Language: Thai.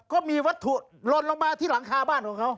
ก็มีวัตถุหล่นลงมาที่หลังคาบ้านของเขา